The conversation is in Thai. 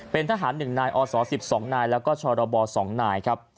เป็นทหาร๑นายอศ๑๒นายแล้วก็ชรบ๒นายครับ